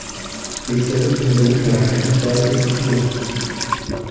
Il se retrouve donc dans la capitale estudiantine.